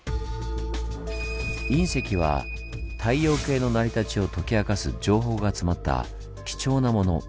隕石は太陽系の成り立ちを解き明かす情報が詰まった貴重なもの。